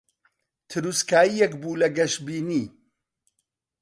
تروسکایییەک بوو لە گەشبینی